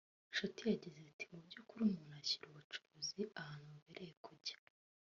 Nshuti yagize ati “ Mu by’ukuri umuntu ashyira ubucuruzi ahantu bubereye kujya